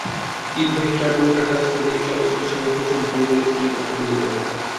ইটবাহী ট্রাকগুলো কাঁচা রাস্তা দিয়ে চলাচলের সময় প্রচুর ধুলাবালি শ্রেণিকক্ষে ঢুকে পড়ে।